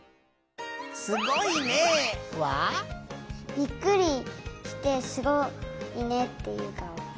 ビックリして「すごいね」っていうかお。